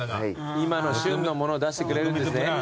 今の旬のものを出してくれるんですね。